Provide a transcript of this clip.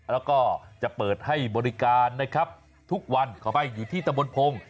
แล้วก็จะเปิดให้บริการนะครับทุกวันขออภัยอยู่ที่ตะบนพงศ์